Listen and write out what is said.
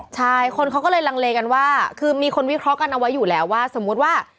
ใช่คนเขาก็เลยลังเลกันว่าคือมีคนวิเคราะห์กันเอาไว้อยู่แล้วว่าสมมุติว่า